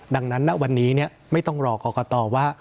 ดังนั้นณวันนี้ไม่ต้องรอกรกตว่า